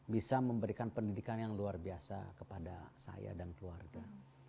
bisa memberikan pendidikan yang luar biasa kepada saya dan keluarga